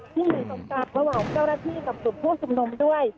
ที่มีสมกัดระหว่างเจ้ารถที่กับสุดผู้สมนมด้วย